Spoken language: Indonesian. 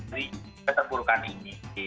dari keterburukan ini